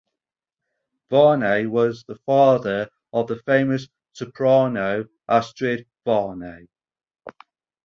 Varnay was the father of the famous soprano Astrid Varnay.